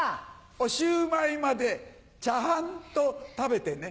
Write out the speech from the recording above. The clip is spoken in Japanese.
おシューマイまでチャハンと食べてね。